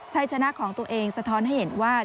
ชัยชนะของตัวเองสะท้อนให้เห็นว่า